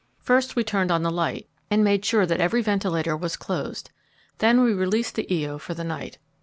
First we turned on the light, and made sure that every ventilator was closed; then we released the Io for the night.